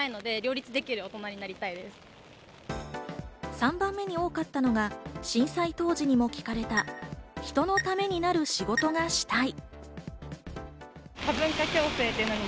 ３番目に多かったのが震災当時にも聞かれた、人のためになる仕事がしたい。